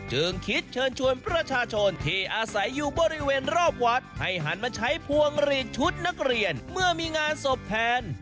จึงคิดเชิญชวนประชาชนที่อาศัยอยู่บริเวณรอบวัดให้หันมาใช้พวงหลีดชุดนักเรียนเมื่อมีงานศพแทน